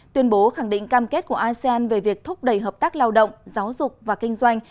tuyên bố khẳng định cam kết của asean về việc thúc đẩy hợp tác lao động giáo dục và kinh doanh